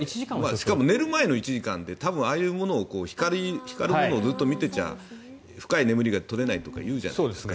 しかも寝る前の１時間でああいうものを光るものをずっと見ていては深い眠りが取れないとか言うじゃないですか。